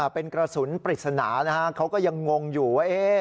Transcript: เป็นกระสุนปริศนาเขาก็ยังงงอยู่ว่า